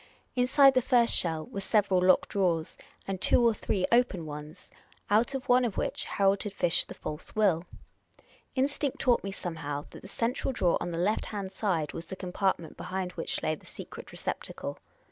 Inside the first shell were several locked drawers, and two or three open ones, out of one of which Harold had fished the false will. Instinct taught me somehow that the central drawer on the left hand side was the compartment behind which lay the secret receptacle.